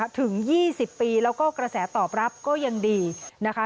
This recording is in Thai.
ถึง๒๐ปีแล้วก็กระแสตอบรับก็ยังดีนะคะ